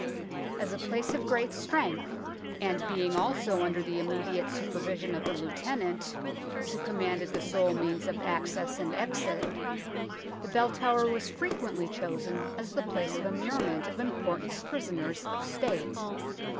As a place of great strength, and being also under the immediate supervision of the Lieutenant, who com manded the sole means of access and exit, THE BELL TOWER 65 the Bell Tower was frequently chosen as the place of immurement of important prisoners of State.